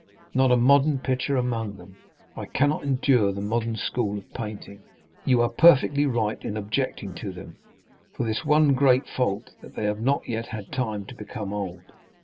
Not a modern picture among them. I cannot endure the modern school of painting." "You are perfectly right in objecting to them, for this one great fault—that they have not yet had time to become old."